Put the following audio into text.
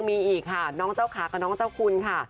มีอีกค่ะน้องเจ้าขากับน้องเจ้าคุณค่ะ